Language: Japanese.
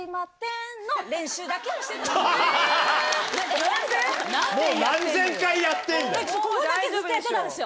もう何千回やってんだよ。